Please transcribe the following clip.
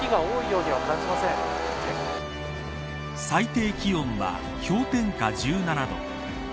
最低気温は、氷点下１７度。